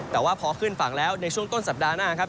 แต่ว่าพอขึ้นฝั่งแล้วในช่วงต้นสัปดาห์หน้าครับ